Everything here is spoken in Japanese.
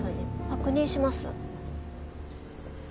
確認します。